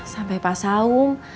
sampai pak saung